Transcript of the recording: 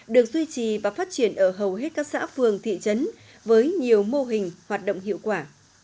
được duy trì và phát triển ở hầu hết các xã phường thị trấn với nhiều mô hình hoạt động hiệu quả